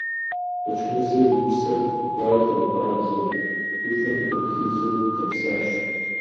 Бэчмырзэ и усэр гуащӀэу, къабзэу, гущӀэм зэпхидзу гъэпсащ.